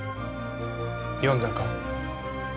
読んだか？